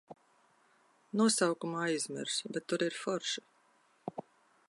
Nosaukumu aizmirsu, bet tur ir forši.